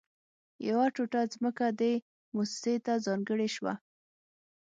يوه ټوټه ځمکه دې مؤسسې ته ځانګړې شوه